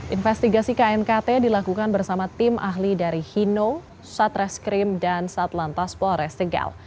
investigasi knkt dilakukan bersama tim ahli dari hino satreskrim dan satlantas polres tegal